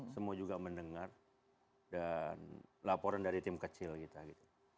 semua juga mendengar dan laporan dari tim kecil kita gitu